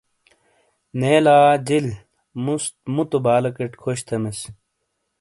نے لا جِیل مُس موتو بالیکٹ خوش تھیمِس۔